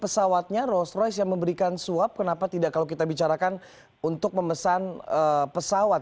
pesawatnya rolls royce yang memberikan suap kenapa tidak kalau kita bicarakan untuk memesan pesawat